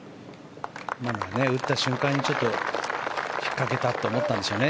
今のは打った瞬間にちょっと、ひっかけたって思ったんでしょうね、